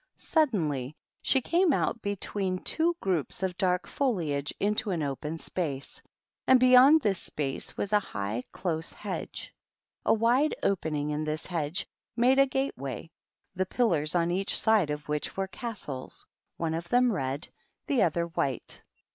Suddei 288 THE PAQEANT. she came out between two groups of dark foliage into an open space, and beyond this sjace was a high, close hedge. A wide opening in this hedge made a gate way, the pillars on each side of which were Castles, one of them Red, the other White.